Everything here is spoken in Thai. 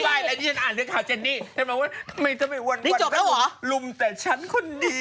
ถ้าบอกว่าไม่ทำให้วันวันต้องรุ่นแต่ฉันคนเดียว